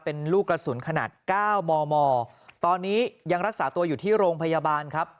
เป็นลูกกระสุนขนาด๙มมตอนนี้ยังรักษาตัวอยู่ที่โรงพยาบาลครับ